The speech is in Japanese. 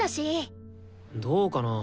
どうかな。